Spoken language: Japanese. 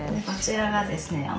こちらがですね